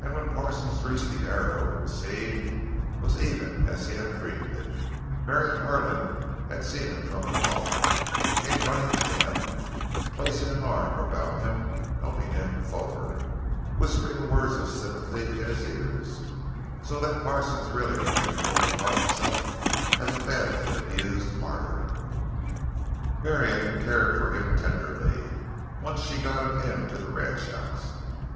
And when Parsons reached the Arrow the scene was even as he had dreamed it—Marion Harlan had seen him from afar, and came running to him, placing an arm about him, helping him forward, whispering words of sympathy in his ears, so that Parsons really began to look upon himself as a badly abused martyr. Marion cared for him tenderly, once she got him into the ranchhouse.